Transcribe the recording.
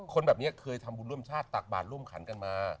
แบบนี้เคยทำบุญร่วมชาติตักบาทร่วมขันกันมา